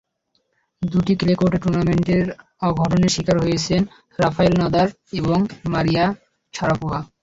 দুটি ক্লে কোর্টের টুর্নামেন্টে অঘটনের শিকার হয়েছেন রাফায়েল নাদাল এবং মারিয়া শারাপোভা।